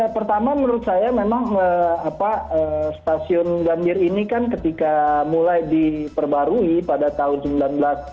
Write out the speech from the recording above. pertama menurut saya memang stasiun gambir ini kan ketika mulai diperbarui pada tahun seribu sembilan ratus sembilan puluh